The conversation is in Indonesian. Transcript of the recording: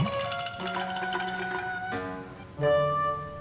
kalau nama itu sabar